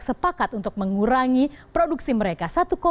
sepakat untuk mengurangi produksi mereka